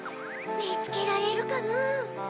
みつけられるかな？